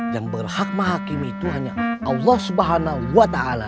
yang berhak menghakimi itu hanya allah subhanahu wa ta'ala